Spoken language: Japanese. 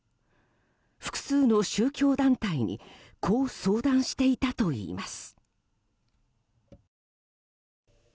複数の宗教団体にこう相談していたといいます。